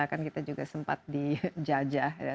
kan kita juga sempat dijajah ya